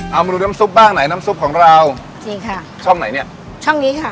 เอามาดูน้ำซุปบ้างไหนน้ำซุปของเราจริงค่ะช่องไหนเนี้ยช่องนี้ค่ะ